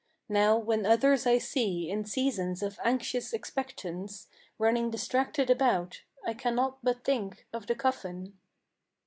Now when others I see, in seasons of anxious expectance, Running distracted about, I cannot but think of the coffin."